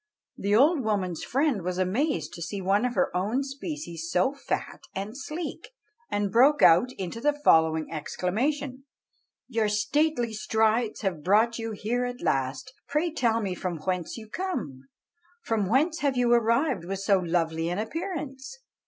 The old woman's friend was amazed to see one of her own species so fat and sleek, and broke out into the following exclamation: "Your stately strides have brought you here at last; pray tell me from whence you come? From whence have you arrived with so lovely an appearance?